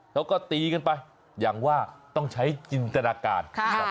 แล้วก็ตีกันไปอย่างว่าต้องใช้จินตนาการ